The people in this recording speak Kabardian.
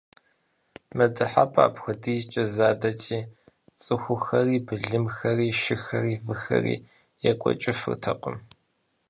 Мы дыхьэпӏэр апхуэдизкӏэ задэти, цӏыхухэри, былымхэри, шыхэри, выхэри екӏуэкӏыфыртэкъым.